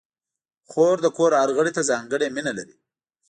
خور د کور هر غړي ته ځانګړې مینه لري.